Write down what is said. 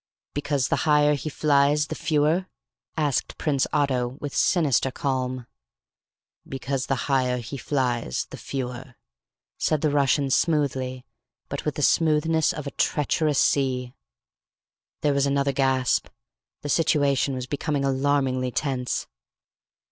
"Because the higher he flies, the fewer?" asked Prince Otto, with sinister calm. "Because the higher he flies, the fewer," said the Russian smoothly, but with the smoothness of a treacherous sea. There was another gasp. The situation was becoming alarmingly tense.